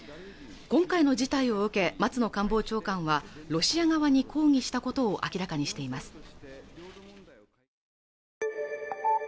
今回の事態を受け松野官房長官はロシア側に抗議したことを明らかにしています